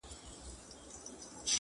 عبث ژوند دي نژدې سوی تر شپېتو دی,